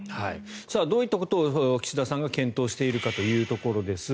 どういったことを岸田さんが検討しているのかというところです。